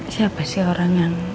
siapa sih orang yang